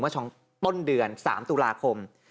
เมื่อช้องต้นเดือน๓ตุลาคม